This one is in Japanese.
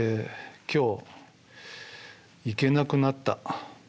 「今日行けなくなった」。